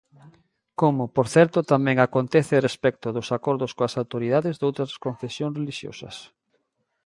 Como, por certo, tamén acontece respecto dos acordos coas autoridades doutras confesións relixiosas.